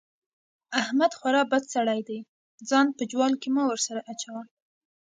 احمد خورا بد سړی دی؛ ځان په جوال کې مه ور سره اچوه.